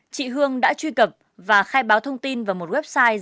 chị hương đã truy cập và khai báo thông tin vào một website